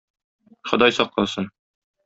Ходай сакласын!